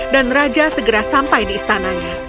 dan raja segera sampai di istananya